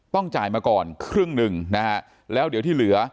ต้องจ่ายมาก่อนครึ่งหนึ่งนะฮะแล้วเดี๋ยวที่เหลือ